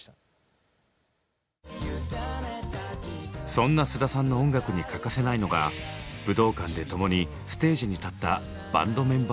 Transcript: そんな菅田さんの音楽に欠かせないのが武道館で共にステージに立ったバンドメンバーの存在。